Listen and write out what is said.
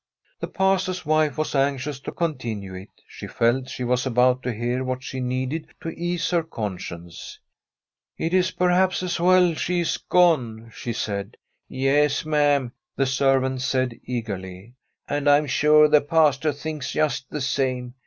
The Pastor's wife was anxious to continue it; she felt she was about to hear what she needed to ease her conscience. ' It is perhaps as well she is gone,' she said. ' Yes, ma'am,' the servant said eagerly ;* and I am sure the Pastor thinks just the same.